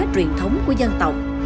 truyền thống của dân tộc